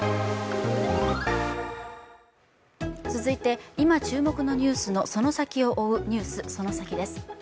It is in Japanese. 続いて、今注目のニュースのその先を追う「ＮＥＷＳそのサキ！」です。